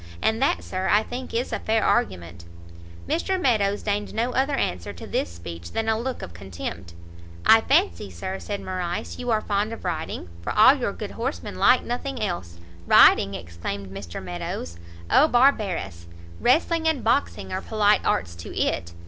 And that, Sir, I think is a fair argument." Mr Meadows deigned no other answer to this speech than a look of contempt. "I fancy, Sir," said Morrice, "you are fond of riding, for all your good horsemen like nothing else." "Riding!" exclaimed Mr Meadows, "Oh barbarous! Wrestling and boxing are polite arts to it!